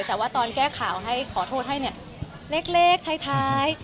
แต่ว่าตอนแก้ข่าวให้ขอโทษให้เนี่ยเล็กท้าย